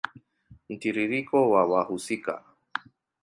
Mtiririko wa wahusika